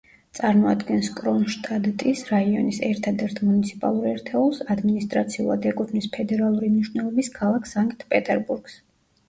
წარმოადგენს კრონშტადტის რაიონის ერთადერთ მუნიციპალურ ერთეულს, ადმინისტრაციულად ეკუთვნის ფედერალური მნიშვნელობის ქალაქ სანქტ-პეტერბურგს.